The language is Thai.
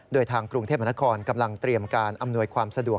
โดยทางกรุงเทพมนาคมกำลังเตรียมการอำนวยความสะดวก